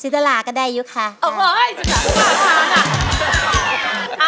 จิตราก็ได้ยุทธค่ะอ้อปละสิตราเปล่านะ